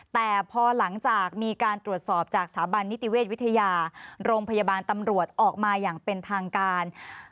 แต่พอหลังจากมีการตรวจสอบจากสถาบันนิติเวชวิทยาโรงพยาบาลตำรวจออกมาอย่างเป็นทางการ